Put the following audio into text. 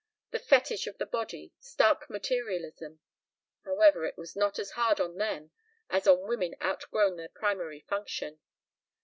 The fetish of the body. Stark materialism. ... However, it was not as hard on them as on women outgrown their primary function.